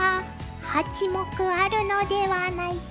八目あるのではないか？